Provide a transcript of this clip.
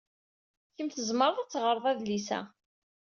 Kemm tzemred ad teɣred adlis-a.